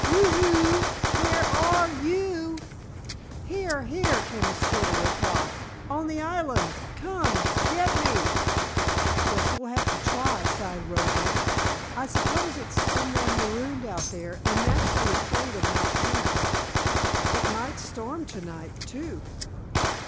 "Whoo hoo! Where are you!" "Here! Here!" came a shrill reply. "On the island! Come get me!" "Guess we'll have to try," sighed Rosa. "I suppose it's some one marooned out there and naturally afraid of night coming. It might storm to night, too."